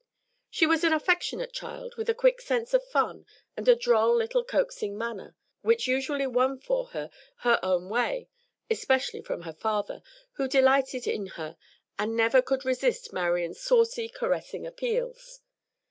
She was an affectionate child, with a quick sense of fun, and a droll little coaxing manner, which usually won for her her own way, especially from her father, who delighted in her and never could resist Marian's saucy, caressing appeals.